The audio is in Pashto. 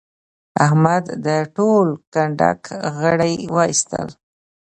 احمد د ټول کنډک غړي واېستل.